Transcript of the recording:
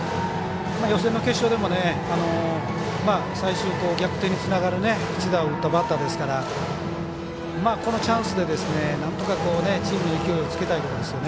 予選の決勝でも、最終逆転につながる一打を打ったバッターですからこのチャンスでなんとか、チームに勢いをつけたいところですよね。